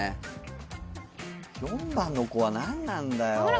４番の子は何なんだよ